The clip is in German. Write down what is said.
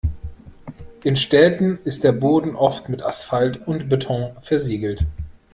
In Städten ist der Boden oft mit Asphalt und Beton versiegelt.